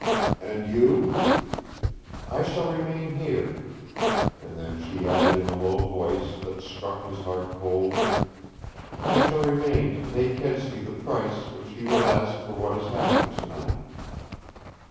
"And you?" "I shall remain here." And then she added in a low voice that struck his heart cold, "I shall remain to pay Kedsty the price which he will ask for what has happened tonight."